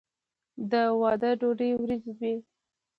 د واده ډوډۍ وریجې وي.